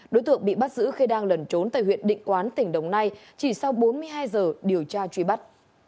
đối tượng bị bắt giữ khi đang lẩn trốn tại huyện định quán tỉnh đồng nai chỉ sau bốn mươi hai giờ điều tra truy bắt